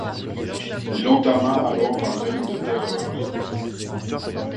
Il entama alors un règne de terreur.